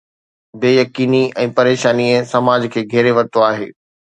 بي يقيني ۽ پريشانيءَ سماج کي گهيري ورتو آهي.